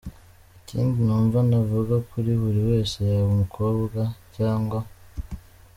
Ikindi numva navuga kuri buri wese yaba umukobwa cg.